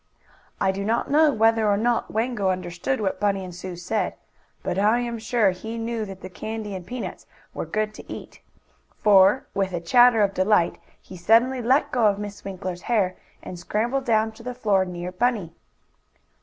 I do not know whether or not Wango understood what Bunny and Sue said, but I am sure he knew that the candy and peanuts were good to eat. For, with a chatter of delight, he suddenly let go of Miss Winkler's hair and scrambled down to the floor near Bunny.